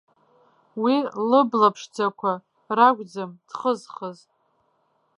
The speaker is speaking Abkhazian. Уи лыбла ԥшӡақәа ракәӡам дхызхыз.